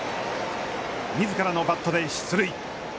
みずからのバットで出塁。